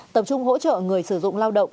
tập trung hỗ trợ người sử dụng lao động